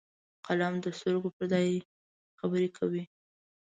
قلم د سترګو پر ځای خبرې کوي